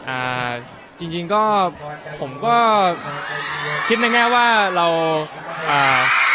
อ่าจริงจริงก็ผมก็คิดในแง่ว่าเราอ่า